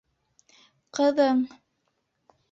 Ҡыҙың.